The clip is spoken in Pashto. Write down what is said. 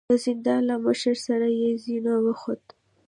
د زندان له مشر سره پر زينو وخوت.